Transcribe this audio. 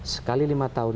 sekali lima tahun